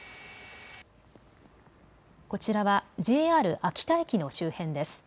こちらはＪＲ秋田駅の周辺です。